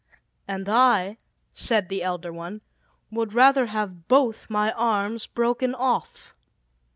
"And I," said the elder one, "would rather have both my arms broken off."